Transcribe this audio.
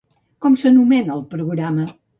Com s'anomena el programa?